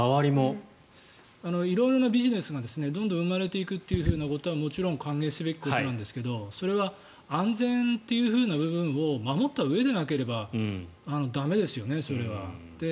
色々なビジネスがどんどん生まれてくるということはもちろん歓迎すべきことなんですがそれは安全という部分を守ったうえでなければ駄目ですよね、それは。